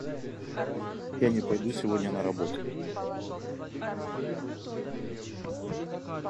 Я не пойду сегодня на работу.